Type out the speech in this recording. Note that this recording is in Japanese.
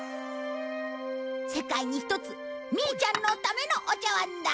世界に一つミィちゃんのためのお茶わんだ！